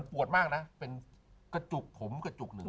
ผมกระจุกหนึ่ง